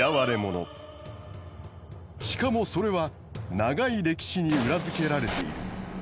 しかもそれは長い歴史に裏付けられている。